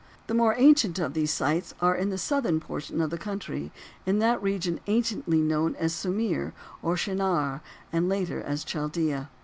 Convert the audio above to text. The more ancient of these sites are in the southern portion of the country, in that region anciently known as Sumir, or Shinar, and later as Chaldea.